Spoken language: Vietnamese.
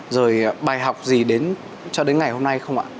rồi bài học gì đến cho đến ngày hôm nay không ạ